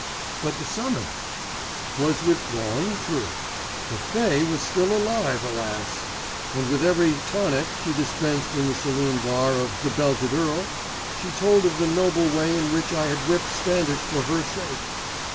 "But the summons——" "Was withdrawn, true; but Fay was still alive alas! and with every 'tonic' she dispensed in the saloon bar of 'The Belted Earl' she told of the noble way in which I had whipped Standish for her sake.